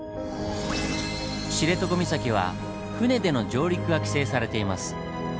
知床岬は船での上陸が規制されています。